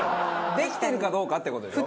できてるかどうかって事でしょ？